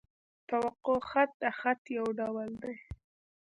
توقع خط؛ د خط یو ډول دﺉ.